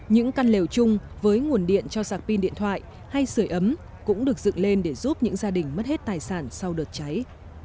những căn lều chung với nguồn điện cho sạc pin điện thoại hay sửa ấm cũng được dựng lên để giúp những gia đình mất hết tài sản sau đợt cháy